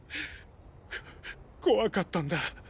こ怖かったんだ。